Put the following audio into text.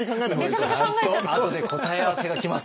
ちゃんとあとで答え合わせが来ます。